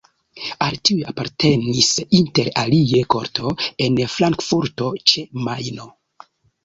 Al tiuj apartenis inter alie korto en Frankfurto ĉe Majno.